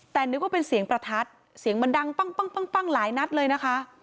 แต่นึกว่าเป็นเสียงประทัดเสียงมันดังปั้งหลายนัดเลยนะคะ